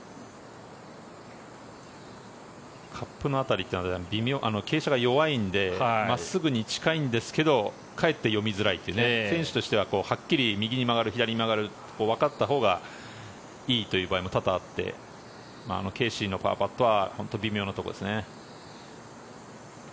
カップの辺り微妙に傾斜が弱いので真っすぐに近いんですけどかえって読みづらいという選手としてははっきり右に曲がる、左に曲がるわかったほうがいいという場合も多々あってケーシーのパーパットは本当に微妙なところですね。